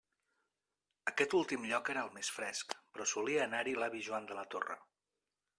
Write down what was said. Aquest últim lloc era el més fresc, però solia anar-hi l'avi Joan de la Torre.